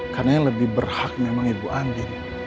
karena yang lebih berhak memang ibu andi